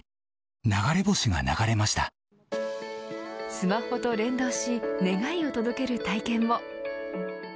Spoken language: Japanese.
スマホと連動し願いを届ける体験も。